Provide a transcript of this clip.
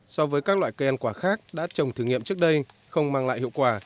so với các loại cây ăn quả khác đã trồng thử nghiệm trước đây không mang lại hiệu quả